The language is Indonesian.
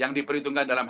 yang diperhitungkan adalah